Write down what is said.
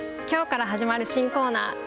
きょうから始まる新コーナー